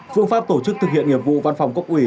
phương pháp tổ chức thực hiện nghiệp vụ văn phòng cấp ủy